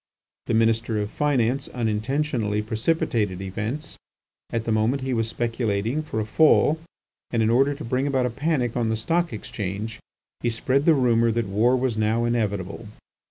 The Minister of Finance unintentionally precipitated events. At the moment, he was speculating for a fall, and in order to bring about a panic on the Stock Exchange, he spread the rumour that war was now inevitable.